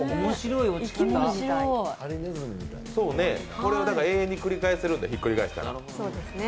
これ永遠に繰り返せるんだひっくり返したら。